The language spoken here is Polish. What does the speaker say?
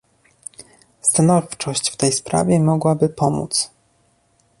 Stanowczość w tej sprawie mogłaby pomóc